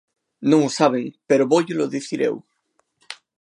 Non o saben, pero vóullelo dicir eu.